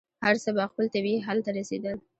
هر څه به خپل طبعي حل ته رسېدل.